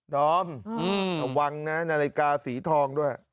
ดอมระวังนะนาฬิกาสีทองด้วย